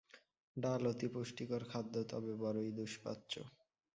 ডাল অতি পুষ্টিকর খাদ্য, তবে বড়ই দুষ্পাচ্য।